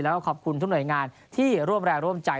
แล้วก็ขอบคุณทุกหน่วยงานที่ร่วมแรงร่วมใจ